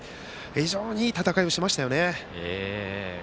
非常にいい戦いをしましたよね。